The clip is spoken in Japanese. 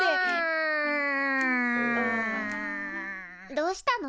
どうしたの？